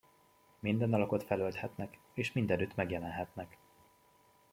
Minden alakot felölthetnek, és mindenütt megjelenhetnek.